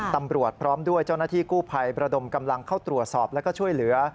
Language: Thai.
ตำรวจพร้อมด้วยเจ้าหน้าที่กู้ภัยประดมกำลังเข้าตรวจสอบแล้วก็ช่วยเหลือ